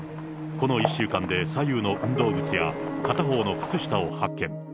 この１週間で、左右の運動靴や片方の靴下を発見。